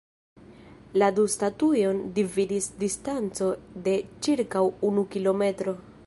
La du statuojn dividis distanco de ĉirkaŭ unu kilometro.